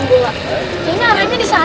kita akan bisa jalan